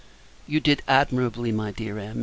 You did admirably, my Dear Em.